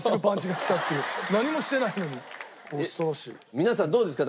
皆さんどうですか？